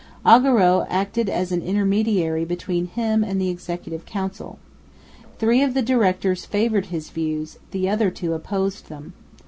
Augereau acted as an intermediary between him and the Executive Council. Three of the directors favoured his views, the other two opposed them.